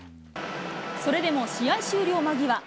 それでも試合終了間際。